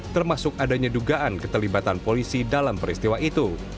termasuk adanya dugaan keterlibatan polisi dalam peristiwa itu